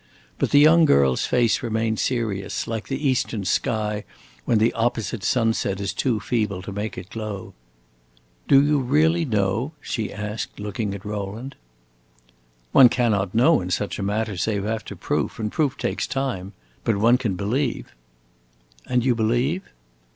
But the young girl's face remained serious, like the eastern sky when the opposite sunset is too feeble to make it glow. "Do you really know?" she asked, looking at Rowland. "One cannot know in such a matter save after proof, and proof takes time. But one can believe." "And you believe?"